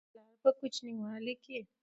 چې ته دې پلار په کوچينوالي کې